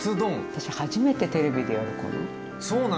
私初めてテレビでやるかな。